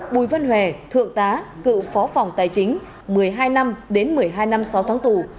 bùi văn hòe thượng tá cựu phó phòng tài chính một mươi hai năm đến một mươi hai năm sáu tháng tù